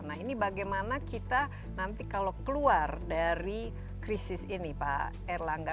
nah ini bagaimana kita nanti kalau keluar dari krisis ini pak erlangga